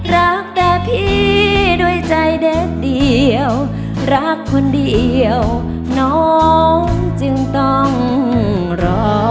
รักแต่พี่ด้วยใจเด็ดเดียวรักคนเดียวน้องจึงต้องรอ